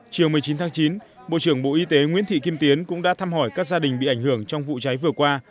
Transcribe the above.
chiều một mươi chín tháng chín bộ trưởng bộ y tế nguyễn thị kim tiến cũng đã thăm hỏi các gia đình bị ảnh hưởng trong vụ cháy vừa qua